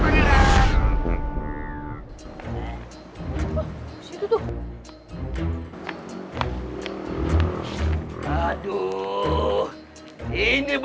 pak kedra ambil baju anda darimu